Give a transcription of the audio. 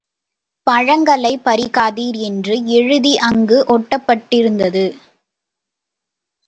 பழங்களைப் பறிக்காதீர் என்று எழுதி அங்கு ஒட்டப்பட்டிருந்தது.